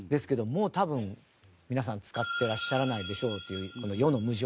もう多分皆さん使ってらっしゃらないでしょうという世の無常。